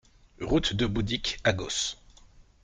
Route de Boudicq à Goos